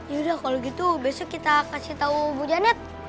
yaudah kalau gitu besok kita kasih tahu bu janet